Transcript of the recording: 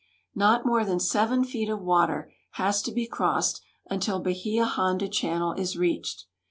Not more than seven feet of water has to be crossed until Bahia Honda channel is reached.